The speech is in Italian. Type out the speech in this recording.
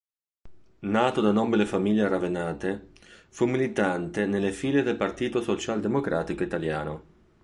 Nato da nobile famiglia ravennate, fu militante nelle file del Partito Socialdemocratico Italiano.